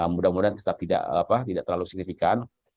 mudah mudahan tetap tidak terlalu signifikan